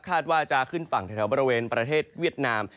ว่าจะขึ้นฝั่งแถวบริเวณประเทศเวียดนาม